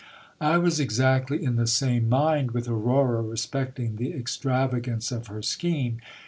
I was exactly in the same mind with Aurora respecting the extravagance of her scheme.